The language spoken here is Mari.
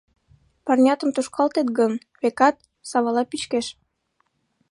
Парнятым тушкалтет гын, векат, савала пӱчкеш.